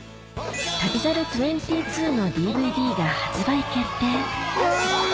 『旅猿２２』のＤＶＤが発売決定うぅ！